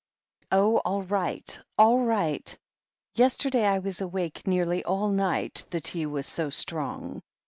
"Oh, all right — all right. Yesterday I was awake nearly all night, the tea was so strong."